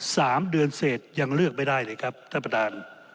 สามเดือนเสร็จยังเลือกไม่ได้เลยครับท่านประธาน